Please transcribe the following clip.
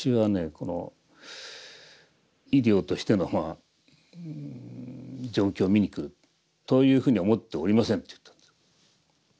この医療としての状況を見にくるというふうには思っておりません」と言ったんです。